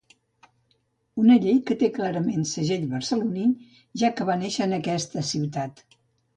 Una llei que té clarament segell barceloní ja que va néixer en aquesta ciutat